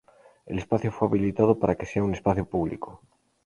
El espacio fue habilitado para que sea un espacio público.